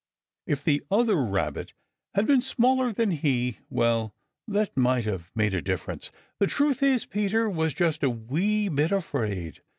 If the other Rabbit had been smaller than he well, that might have made a difference. The truth is, Peter was just a wee bit afraid.